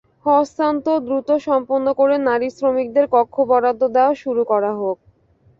হস্তান্তর দ্রুত সম্পন্ন করে নারী শ্রমিকদের কক্ষ বরাদ্দ দেওয়া শুরু করা হোক।